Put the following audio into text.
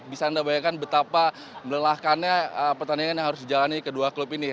bisa anda bayangkan betapa melelahkannya pertandingan yang harus dijalani kedua klub ini